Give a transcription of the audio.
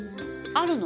あるの？